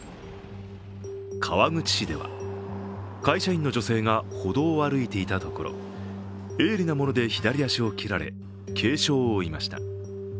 川口市では、会社員の女性が歩道を歩いていたところ鋭利なもので左足を切られ軽傷を負いました。